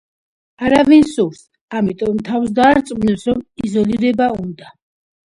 არავინ სურს, ამიტომ თავს დაარწმუნებს, რომ იზოლირება უნდა.